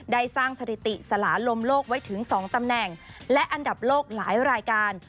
ได้สร้างสถิติสลาลมโลกไว้ถึง๒ตำแหน่งและอันดับโลกหลายรายการ